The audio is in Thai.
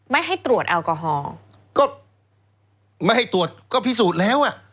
ไม่ให้ตรวจแอลกอฮอล์ก็ไม่ให้ตรวจก็พิสูจน์แล้วอ่ะ